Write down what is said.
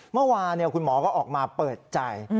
เมื่อวานคุณหมอก็ออกมาเปิดใจ